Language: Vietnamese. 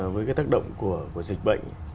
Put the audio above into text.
với cái tác động của dịch bệnh